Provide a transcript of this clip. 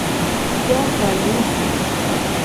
Jag är Vincent.